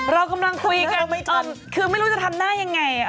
เรากำลังคุยกันคือไม่รู้จะทำหน้ายังไง